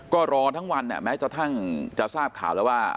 ก็รอทั้งวันแม้กระทั่งจะทราบข่าวแล้วว่า